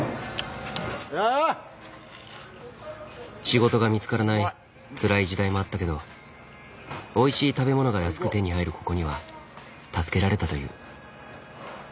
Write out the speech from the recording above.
仕事が見つからないつらい時代もあったけどおいしい食べ物が安く手に入るここには助けられたという。